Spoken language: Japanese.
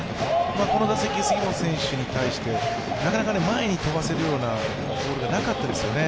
この打席、杉本選手に対して、なかなか前に飛ばせるようなボールがなかったですよね。